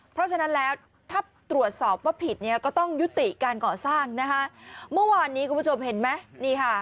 เพราะฉะนั้นแล้วถ้าตรวจสอบว่าผิดเนี่ยก็ต้องยุติการก่อสร้างนะฮะ